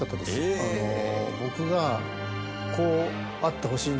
僕がこうあってほしいな